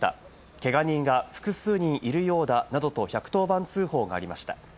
けが人が複数人いるようだなどと１１０番通報がありました。